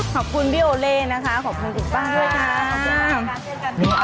ขอบคุณบิโอเละนะคะขอบคุณอีกบ้างด้วยคะ